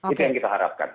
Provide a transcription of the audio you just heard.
itu yang kita harapkan